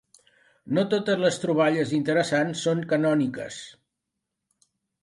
No totes les troballes interessants són canòniques.